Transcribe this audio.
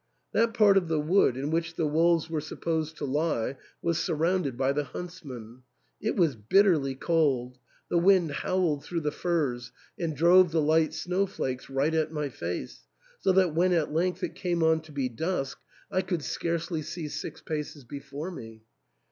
That part of the wood in which the wolves were supposed to lie was surrounded by the huntsmen. It was bitterly cold ; the wind howled through the firs, and drove the light snow flakes right in my face, so that when at length it came on to be dusk I could scarcely see six paces before me.